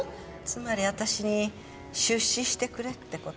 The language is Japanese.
つまり私に出資してくれって事？